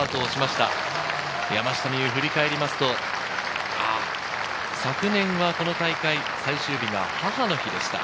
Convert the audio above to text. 有、振り返りますと、昨年はこの大会、最終日は母の日でした。